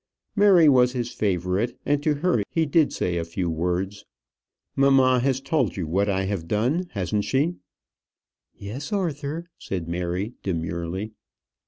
Mary was his favourite, and to her he did say a few words. "Mamma has told you what I have done, hasn't she?" "Yes, Arthur," said Mary, demurely.